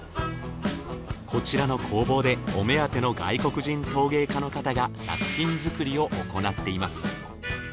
こちらの工房でお目当ての外国人陶芸家の方が作品作りを行っています。